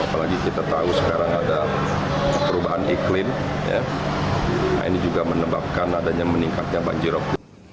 apalagi kita tahu sekarang ada perubahan iklim nah ini juga menyebabkan adanya meningkatnya banjirop